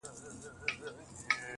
وايي تبلیغ دی د کافرانو!!..